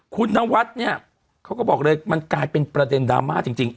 คุณนวัดเนี่ยเขาก็บอกเลยมันกลายเป็นประเด็นดราม่าจริง